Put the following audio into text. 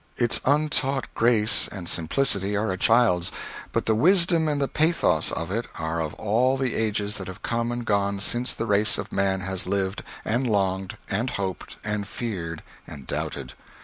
Its untaught grace and simplicity are a child's, but the wisdom and the pathos of it are of all the ages that have come and gone since the race of man has lived, and longed, and hoped, and feared, and doubted.